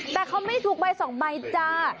แต่เขาไม่ถูกใบสองใบจ้า